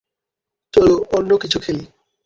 চলো, অন্য কিছু খেলি।